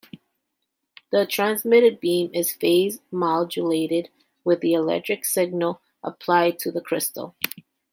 The transmitted beam is phase modulated with the electric signal applied to the crystal.